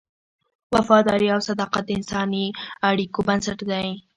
وفاداري او صداقت د انساني اړیکو بنسټ دی.